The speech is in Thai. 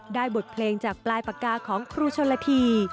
บทเพลงจากปลายปากกาของครูชนละที